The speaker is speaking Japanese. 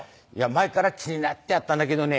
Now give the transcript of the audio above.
前から気になってたんだけどね